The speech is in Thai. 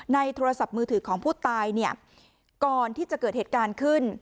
โทรศัพท์มือถือของผู้ตายเนี่ยก่อนที่จะเกิดเหตุการณ์ขึ้น